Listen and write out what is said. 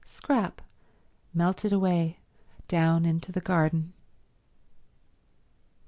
Scrap melted away down into the garden.